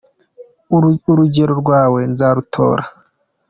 Urugero rwawe nzarutora